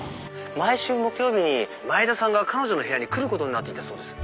「毎週木曜日に前田さんが彼女の部屋に来る事になっていたそうです」